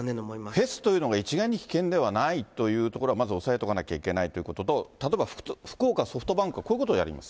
フェスというのが一概に危険ではないということは、まず抑えておかなきゃいけないということと、それから福岡ソフトバンクはこういうことをやります。